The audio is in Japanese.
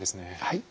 はい。